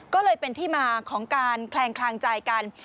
ก็เลยเป็นที่มาของการแคลงคลางใจกัน